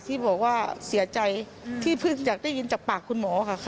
ที่บอกว่าเสียใจที่เพิ่งอยากได้ยินจากปากคุณหมอค่ะ